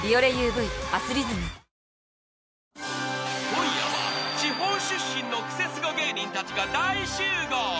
［今夜は地方出身のクセスゴ芸人たちが大集合。